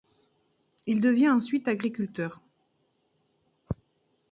Il devient ensuite agriculteur.